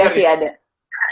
ya sih ada